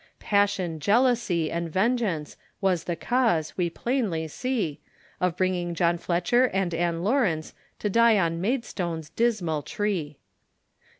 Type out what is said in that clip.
Passion, jealousy, and vengeance, Was the cause, we plainly see, Of bringing John Fletcher and Ann Lawrence To die on Maidstone's dismal tree.